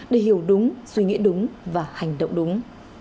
để hiểu đúng suy nghĩ đúng và hành động đúng